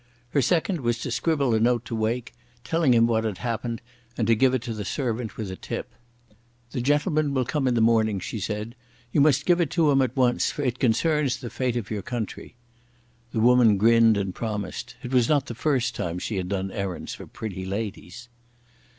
Her second was to scribble a note to Wake, telling him what had happened, and to give it to the servant with a tip. "The gentleman will come in the morning," she said. "You must give it him at once, for it concerns the fate of your country." The woman grinned and promised. It was not the first time she had done errands for pretty ladies.